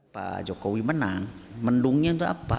pak jokowi menang mendungnya itu apa